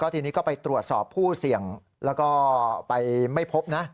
ทีนี้ก็ไปตรวจสอบผู้เสี่ยงแล้วก็ไปไม่พบนะ